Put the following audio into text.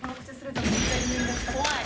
怖い。